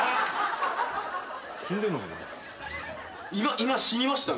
今死にましたね。